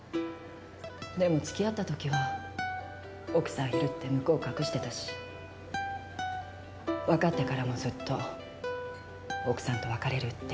でもつきあったときは奥さんいるって向こう隠してたし分かってからもずっと「奥さんと別れる」って言ってて。